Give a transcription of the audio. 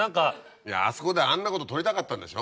いやあそこであんなこと撮りたかったんでしょ。